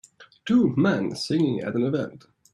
Two men singing at an event.